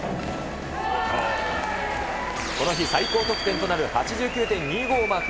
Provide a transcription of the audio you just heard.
この日、最高得点となる８９．２５をマーク。